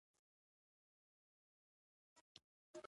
يو يې عبدالله نومېده بل يې اسلام.